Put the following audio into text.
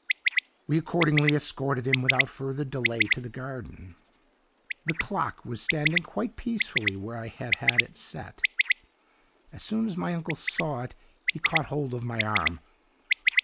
"We accordingly escorted him without further delay to the garden. "The clock was standing quite peacefully where I had had it set. "As soon as my uncle saw it he caught hold of my arm.